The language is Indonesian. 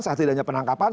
saat tidaknya penangkapan